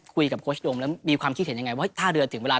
คุยกับโค้ชโดมแล้วมีความคิดเห็นยังไงว่า